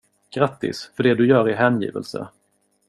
Grattis, för det du gör är hängivelse!